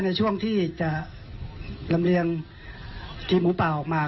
ในช่วงที่จะลำเลียงทีมหมูป่าออกมา